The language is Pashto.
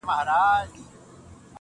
وای هسې نه چي تا له خوبه و نه باسم